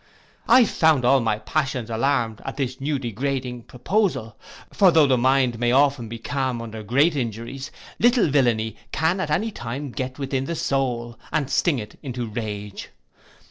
I found all my passions alarmed at this new degrading proposal; for though the mind may often be calm under great injuries, little villainy can at any time get within the soul, and sting it into rage.